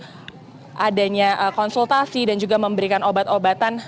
kami juga mengadakan konsultasi dan juga memberikan obat obatan